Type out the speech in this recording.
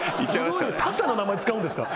すごいな他社の名前使うんですか？